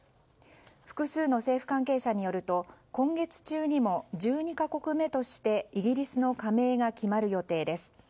複数の政府関係者によると今月中にも１２か国目としてイギリスの加盟が決まる予定です。